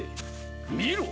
見ろ